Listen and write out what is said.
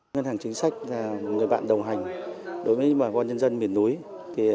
ngân hàng chính sách là người bạn đồng hành đối với bà con nhân dân miền núi